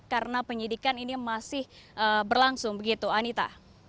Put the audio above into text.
karena penyidikan ini masih berlangsung begitu anita